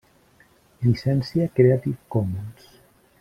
Llicència Creative Commons.